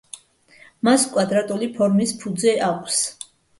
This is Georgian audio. მას კვადრატული ფორმის ფუძე აქვს.